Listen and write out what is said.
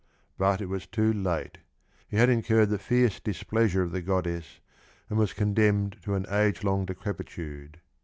But it was too late ; he had incurred the fierce displeasure of the goddess and was condemned to an age long decrepitude.